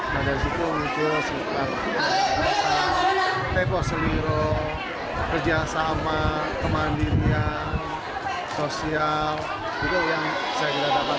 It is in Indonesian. pada situ untuk tepoh seliru kerjasama kemandirian sosial itu yang bisa kita dapatkan kita rasakan dari anak anak